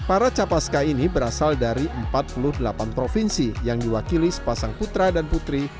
orang batu testified yang berdasarkan perinate lima marc